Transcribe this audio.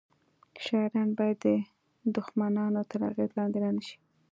شاعران باید د دښمنانو تر اغیز لاندې رانه شي